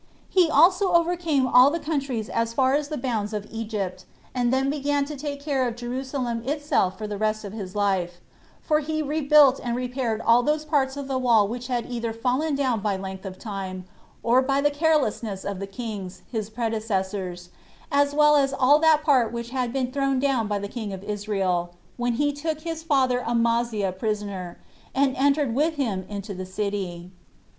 He also overcame all the countries as far as the bounds of Egypt, and then began to take care of Jerusalem itself for the rest of his life; for he rebuilt and repaired all those parts of the wall which had either fallen down by length of time, or by the carelessness of the kings, his predecessors, as well as all that part which had been thrown down by the king of Israel, when he took his father Amaziah prisoner, and entered with him into the city.